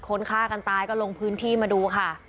คนฆ่ากันตายก็ลงพื้นที่มาดูค่ะ